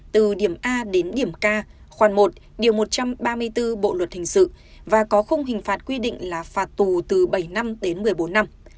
từ điểm a đến điểm k khoảng một điều một trăm ba mươi bốn bộ luật hình sự và có khung hình phạt quy định là phạt tù từ bảy năm đến một mươi bốn năm